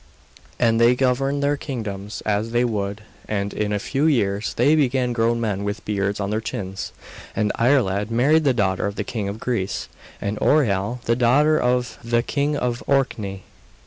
And they governed their kingdoms as they would, and in a few years they became grown men with beards on their chins; and Iarlaid married the daughter of the king of Greece, and Oireal the daughter of the king of Orkney.